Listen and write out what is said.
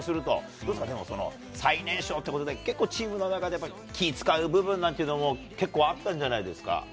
どうですかね、最年少ということで、結構チームの中でも、気遣う部分なんかも結構あったんじゃないですか？